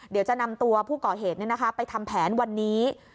เดี๋ยวจะนำตัวผู้ก่อเหตุไปทำแผนวันนี้